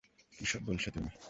কী সব বলছো তুমি?